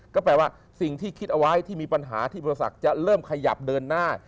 ก็แปลว่าสิ่งที่คิดเอาไว้ที่มีปัญหาที่บริษัทจะเริ่มขยับเดินหน้า